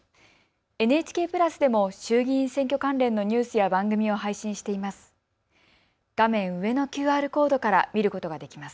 ＮＨＫプラスでも衆議院選挙関連のニュースや番組を配信しています。